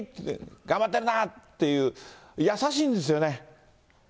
頑張ってるなって、優しいんですよね。